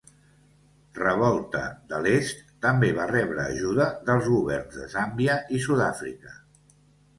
Revolta de l'Est també va rebre ajuda dels governs de Zàmbia i Sud-àfrica.